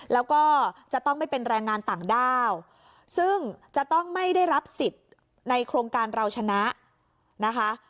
แล้วก็จะต้องไม่เป็นแรงงานต่างด้าวซึ่งจะต้องไม่ได้รับสิทธิ์ในโครงการเราชนะนะคะ